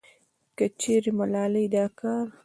کچېرې ملالې دا کار